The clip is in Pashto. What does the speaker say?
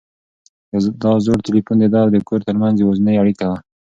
دا زوړ تلیفون د ده او د کور تر منځ یوازینۍ اړیکه وه.